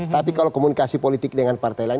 tapi kalau komunikasi politik dengan partai lain